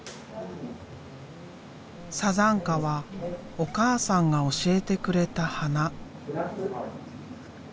サザンカはお母さんが教えてくれた花。